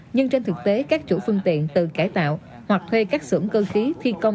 nhưng trên thực tế các chủ phương tiện tự cải tạo hoặc thuê các xưởng cơ khí thi công